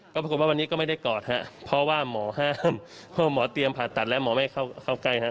ก็เป็นอย่างว่าวันนี้ก็ไม่ได้กอดฮะเพราะว่าหมอที่เตรียมผ่าตัดแล้วอย่าเข้าใกล้มา